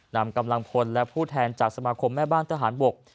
นำกำลังพลและผู้แทนจากสมาคมแม่บ้านทหารบก